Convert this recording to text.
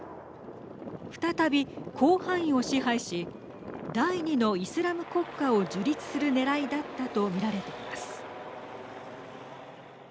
再び、広範囲を支配し第２のイスラム国家を樹立するねらいだったと見られています。